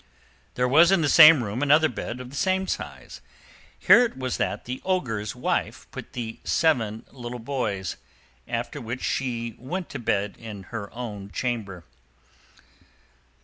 There was in the same room another bed of the same size. Here it was that the Ogre's wife put the seven little boys, after which she went to bed in her own chamber.